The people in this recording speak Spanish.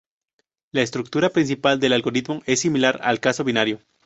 La estructura principal del algoritmo es similar al caso binario.